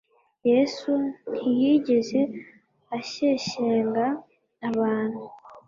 Yesu ntiyigeze ashyeshyenga abantu.